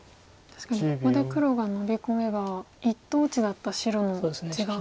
確かにここで黒がノビ込めば一等地だった白の地が。